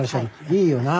いいよな。